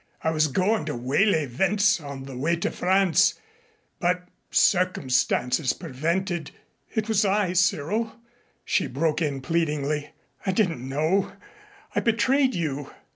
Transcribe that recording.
I was goin' to waylay Wentz on the way to France, but circumstances prevented " "It was I, Cyril," she broke in pleadingly. "I didn't know. I betrayed you."